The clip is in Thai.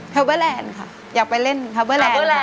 เฮลเบอร์แลนด์อยากไปเล่นเฮลเบอร์แลนด์